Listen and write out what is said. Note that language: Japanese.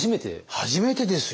初めてですよ。